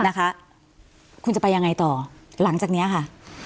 นายก็จะไปยังไงต่อหลังจากเนี้ยค่ะ